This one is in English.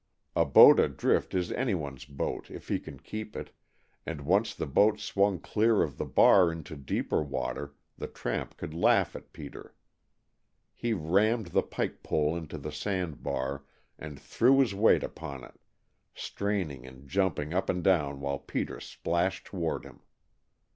A boat adrift is any one's boat, if he can keep it, and once the boat swung clear of the bar into deeper water the tramp could laugh at Peter. He rammed the pike pole into the sand bar and threw his weight upon it, straining and jumping up and down while Peter splashed toward him.